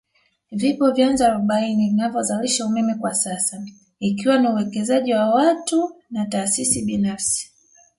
Vipo vyanzo arobaini vinavyozalisha umeme kwasasa ikiwa ni uwekezaji wa watu na taasisi binafsi